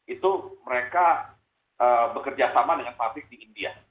itu mereka bekerja sama dengan pabrik di india